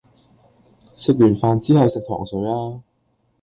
食完飯之後食糖水吖